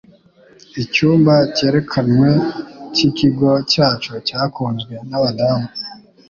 Icyumba cyerekanwe cyikigo cyacu cyakunzwe nabadamu.